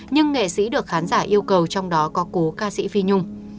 nhưng nghệ sĩ được khán giả yêu cầu trong đó có cố ca sĩ phi nhung